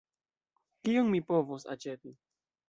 Kion mi povos aĉeti?